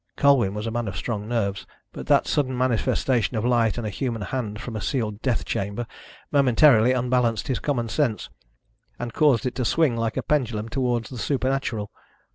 Colwyn was a man of strong nerves, but that sudden manifestation of light and a human hand from a sealed death chamber momentarily unbalanced his common sense, and caused it to swing like a pendulum towards the supernatural.